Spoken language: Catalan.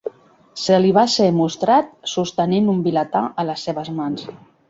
Se li va ser mostrat sostenint un vilatà a les seves mans.